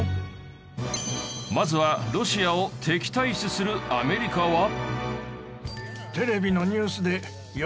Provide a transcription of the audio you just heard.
まずはロシアを敵対視するアメリカは。